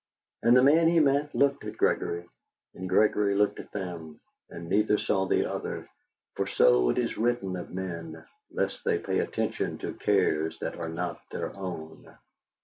And the men he met looked at Gregory, and Gregory looked at them, and neither saw the other, for so it is written of men, lest they pay attention to cares that are not their own.